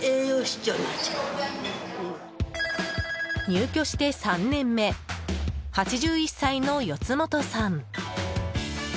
入居して３年目８１歳の四本さん。